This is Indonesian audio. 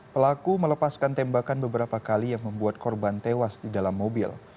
pelaku melepaskan tembakan beberapa kali yang membuat korban tewas di dalam mobil